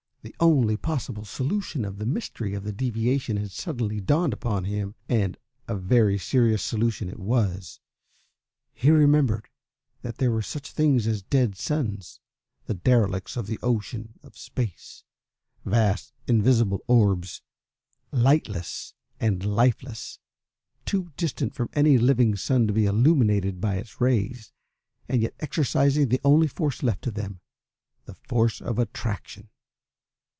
The only possible solution of the mystery of the deviation had suddenly dawned upon him, and a very serious solution it was. He remembered there were such things as dead suns the derelicts of the Ocean of Space vast, invisible orbs, lightless and lifeless, too distant from any living sun to be illumined by its rays, and yet exercising the only force left to them the force of attraction.